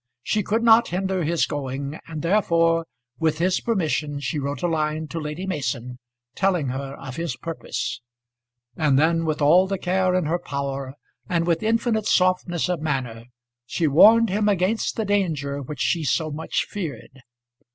She could not hinder his going, and therefore, with his permission she wrote a line to Lady Mason, telling her of his purpose. And then, with all the care in her power, and with infinite softness of manner, she warned him against the danger which she so much feared.